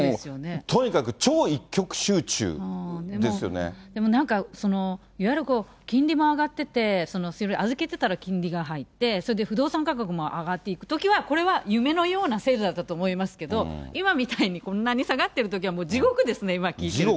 もうとにかく超一極集中ですなんかその、いわゆる金利も上がってて、預けてたら金利が入って、それで不動産価格も上がっていくときは、これは夢のような制度だったと思いますけれども、今みたいに、こんなに下がってるときはもう地獄ですね、今聞いてると。